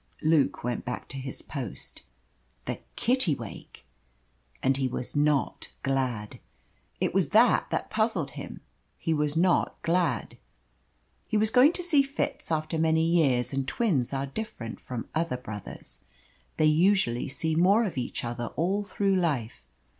Luke went back to his post. The Kittiwake! And he was not glad. It was that that puzzled him. He was not glad. He was going to see Fitz after many years, and twins are different from other brothers. They usually see more of each other all through life.